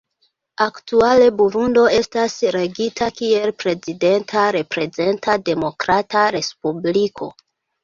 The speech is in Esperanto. Aktuale, Burundo estas regita kiel prezidenta reprezenta demokrata respubliko.